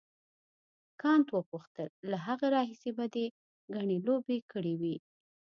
کانت وپوښتل له هغه راهیسې به دې ګڼې لوبې کړې وي.